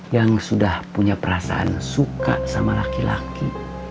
yang sudah punya perasaan suka sama laki laki